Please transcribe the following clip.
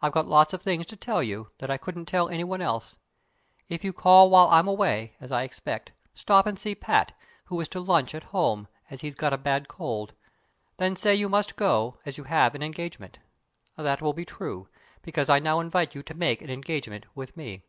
I've got lots of things to tell you, that I couldn't tell any one else. If you call while I'm away, as I expect, stop and see Pat, who is to lunch at home, as he's got a bad cold. Then say you must go, as you have an engagement. That will be true, because I now invite you to make an engagement with me.